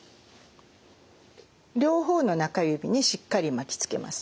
両方の中指にしっかり巻きつけます。